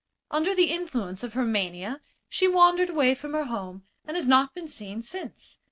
Under the influence of her mania she wandered away from her home, and has not been seen since.